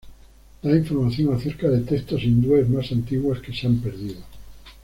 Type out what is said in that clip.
Da información acerca de textos hindúes más antiguos que se han perdido.